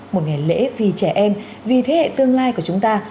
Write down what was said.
một ngày lễ vì trẻ em vì thế hệ tương lai của chúng ta